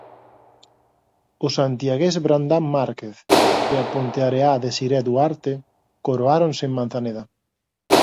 O santiagués Brandán Márquez e a ponteareá Desiré Duarte coroáronse en Manzaneda.